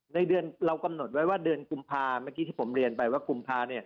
ในเดือนเรากำหนดไว้ว่าเดือนกุมภาเมื่อกี้ที่ผมเรียนไปว่ากุมภา